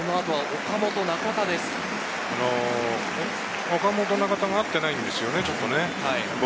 岡本、中田がちょっと合っていないんですよね。